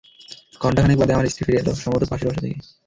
ঘণ্টা খানেক বাদে আমার স্ত্রী ফিরে এল, সম্ভবত পাশের বাসা থেকে।